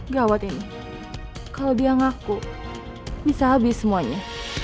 gawat ini kalau dia ngaku bisa habis semuanya